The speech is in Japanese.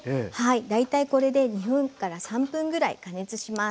大体これで２３分ぐらい加熱します。